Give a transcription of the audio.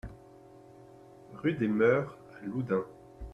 Rue des Meures à Loudun